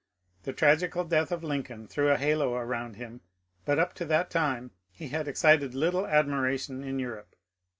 The tragical death of Lincoln threw a halo around him, but up to that time he had excited little admiration in Europe.